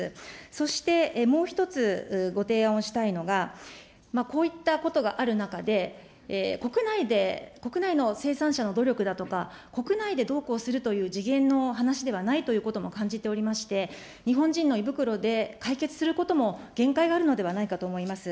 そしてもう一つご提案をしたいのが、こういったことがある中で、国内で、国内の生産者の努力だとか、国内でどうこうするという次元の話ではないということも感じておりまして、日本人の胃袋で解決することも限界があるのではないかと思います。